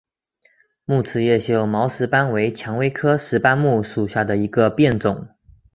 木齿叶锈毛石斑为蔷薇科石斑木属下的一个变种。